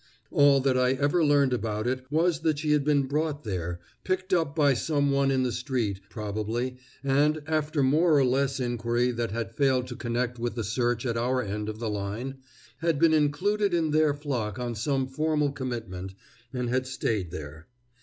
All that I ever learned about it was that she had been brought there, picked up by some one in the street, probably, and, after more or less inquiry that had failed to connect with the search at our end of the line, had been included in their flock on some formal commitment, and had stayed there.